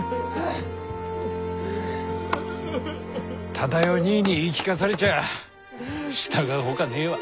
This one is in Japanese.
忠世兄ぃに言い聞かされちゃ従うほかねえわ。